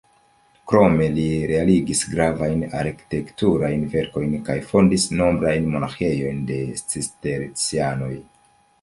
Krome li realigis gravajn arkitekturajn verkojn kaj fondis nombrajn monaĥejojn de Cistercianoj.